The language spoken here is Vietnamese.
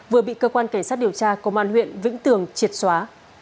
vừa bị cơ quan cảnh sát điều tra công an huyện vĩnh tường triệt xóa